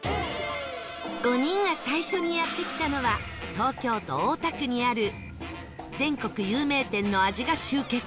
５人が最初にやって来たのは東京都大田区にある全国有名店の味が集結！